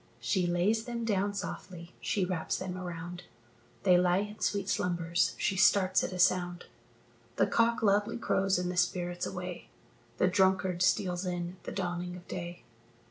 She lays them down softly, she wraps them around; They lie in sweet slumbers, she starts at a sound, The cock loudly crows, and the spirit's away The drunkard steals in at the dawning of day.